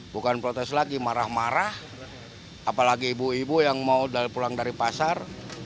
bukan protes lagi marah marah apalagi ibu ibu yang mau pulang dari pasar